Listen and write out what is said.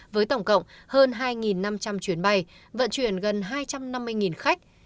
với tổng cộng hơn hai năm trăm linh chuyến bay vận chuyển gần hai trăm năm mươi khách